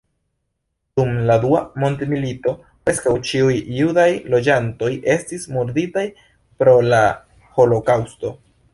Dum la dua mondmilito preskaŭ ĉiuj judaj loĝantoj estis murditaj pro la holokaŭsto.